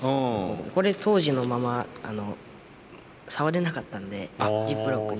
これ当時のまま触れなかったのでジップロックに入って。